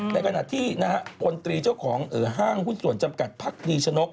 ในขณะที่นะฮะคนตรีเจ้าของห้างหุ้นส่วนจำกัดพักนี่ชะนก